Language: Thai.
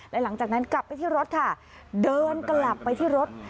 และหลังจากนั้นกลับไปที่รถค่ะเดินกลับไปที่รถ